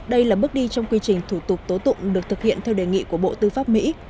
đây là bước đi trong quy trình thủ tục tố tụng được thực hiện theo đề nghị của bộ tư pháp mỹ